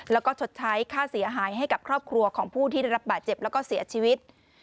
แล้วก็ชดใช้ค่าเสียหายให้กับครอบครัวของผู้ที่ได้รับบาดเจ็บแล้วก็เสียชีวิต